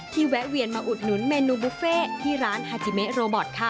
แวะเวียนมาอุดหนุนเมนูบุฟเฟ่ที่ร้านฮาจิเมะโรบอทค่ะ